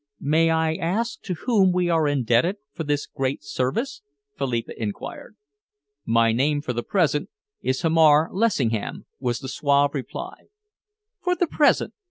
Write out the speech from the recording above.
"May I ask to whom we are indebted for this great service?" Philippa enquired. "My name for the present is Hamar Lessingham," was the suave reply. "For the present?"